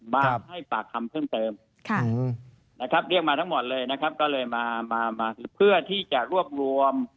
เขาให้ปากคำเพิ่มเติม